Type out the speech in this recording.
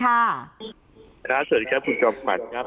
ครับสวัสดีครับครับคุณออสบีราชัย